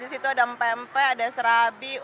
di situ ada mempempai ada serabi